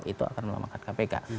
itu akan melemahkan kpk